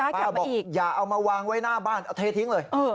บอกอย่าเอามาวางไว้หน้าบ้านเอาเททิ้งเลย